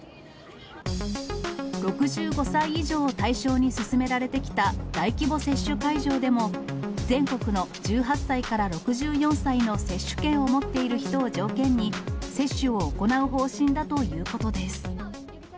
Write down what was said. ６５歳以上を対象に進められてきた大規模接種会場でも、全国の１８歳から６４歳の接種券を持っている人を条件に、接種を行う方針だということです。